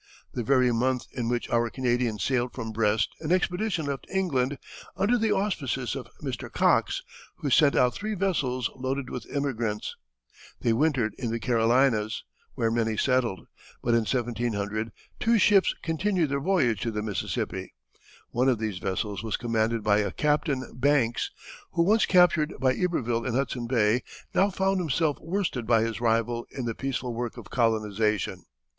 The very month in which our Canadian sailed from Brest an expedition left England under the auspices of Mr. Cox, who sent out three vessels loaded with emigrants. They wintered in the Carolinas, where many settled, but in 1700 two ships continued their voyage to the Mississippi. One of these vessels was commanded by a Captain Banks, who once captured by Iberville in Hudson Bay now found himself worsted by his rival in the peaceful work of colonization.